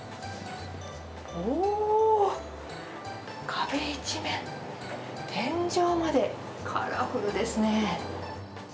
おー、壁一面、天井までカラフルですね。